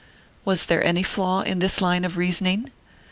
Was there any flaw in this line of reasoning?